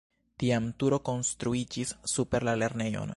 Tiam turo konstruiĝis super la lernejon.